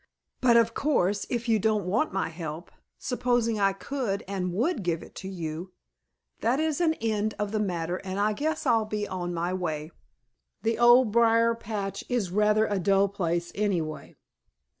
But of course, if you don't want my help, supposing I could and would give it to you, that is an end of the matter, and I guess I'll be on my way. The Old Briar patch is rather a dull place anyway."